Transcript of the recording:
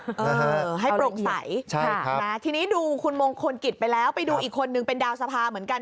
เออให้โปร่งใสใช่ค่ะนะทีนี้ดูคุณมงคลกิจไปแล้วไปดูอีกคนนึงเป็นดาวสภาเหมือนกัน